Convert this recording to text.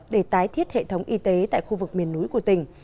để tái thiết hệ thống y tế tại khu vực miền núi của tỉnh